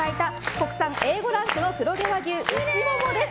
国産Ａ５ランクの黒毛和牛内モモです。